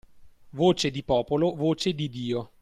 Voce di popolo, voce di Dio.